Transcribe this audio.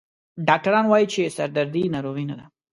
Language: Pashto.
ډاکټران وایي چې سردردي ناروغي نه ده.